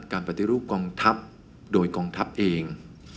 ปฏิรูปกองทัพโดยกองทัพเอง